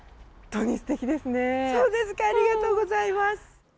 ありがとうございます。